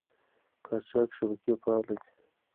قاچاق شبکې فعالې دي.